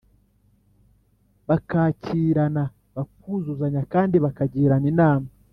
bakakirana, bakuzuzanya kandi bakagirana inama.